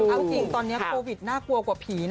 เอาจริงตอนนี้โควิดน่ากลัวกว่าผีนะ